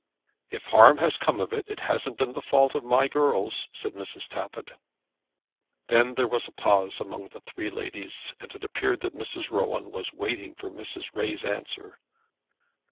"If harm has come of it, it hasn't been the fault of my girls," said Mrs. Tappitt. Then there was a pause among the three ladies, and it appeared that Mrs. Rowan was waiting for Mrs. Ray's answer.